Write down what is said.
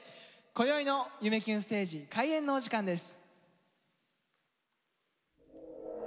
こよいの「夢キュンステージ」開演のお時間です。